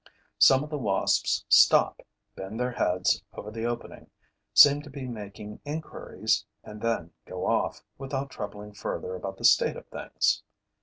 Some of the wasps stop, bend their heads over the opening, seem to be making inquiries and then go off, without troubling further about the state of things.